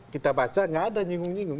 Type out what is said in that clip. kita baca nggak ada nyinggung nyinggung